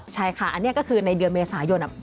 ใช่ค่ะอันนี้ก็คือในเดือนเมษายน